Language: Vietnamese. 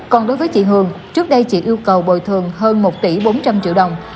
còn đối với chị hường trước đây chị yêu cầu bồi thường hơn một tỷ bốn trăm linh triệu đồng